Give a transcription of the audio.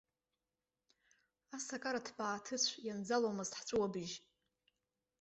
Асакара ҭбааҭыцә ианӡаломызт ҳҵәыуабжь.